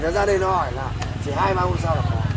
thì nó ra đây nó hỏi là chỉ hai ba hôm sau là khó